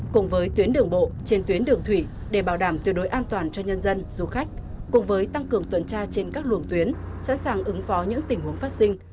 cùng với tuyến đường bộ trên tuyến đường thủy để bảo đảm tuyệt đối an toàn cho nhân dân du khách cùng với tăng cường tuần tra trên các luồng tuyến sẵn sàng ứng phó những tình huống phát sinh